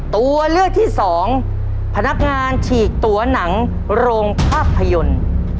ตัวเลือกที่สองพนักงานฉีกตัวหนังโรงภาพยนตร์